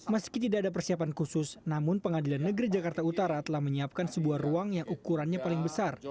meski tidak ada persiapan khusus namun pengadilan negeri jakarta utara telah menyiapkan sebuah ruang yang ukurannya paling besar